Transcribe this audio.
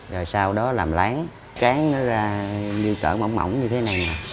rồi sau đó làm lán tráng nó ra như cỡ mỏng mỏng như thế này nè